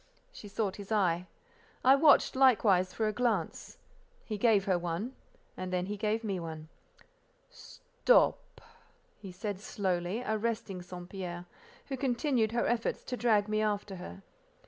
She sought his eye. I watched, likewise, for a glance. He gave her one, and then he gave me one. "Stop!" he said slowly, arresting St. Pierre, who continued her efforts to drag me after her.